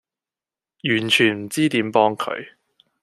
完全唔知點幫佢